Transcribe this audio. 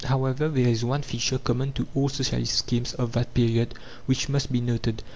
However, there is one feature, common to all Socialist schemes of that period, which must be noted.